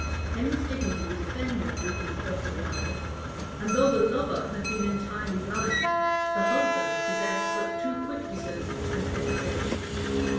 Henry's dignity was offended with these popular manners; and though the lover had been entirely blind, the husband possessed but too quick discernment and penetration.